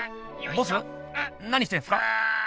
ボス何してんすか？